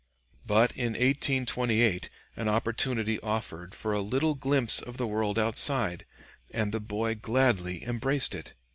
But in 1828 an opportunity offered for a little glimpse of the world outside, and the boy gladly embraced it.